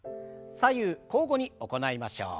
左右交互に行いましょう。